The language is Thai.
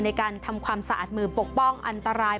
ในการทำความสะอาดมือปกป้องอันตราย